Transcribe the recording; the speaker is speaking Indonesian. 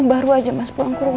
baru aja mas pulang ke rumah